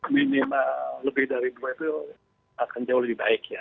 minimal lebih dari dua itu akan jauh lebih baik ya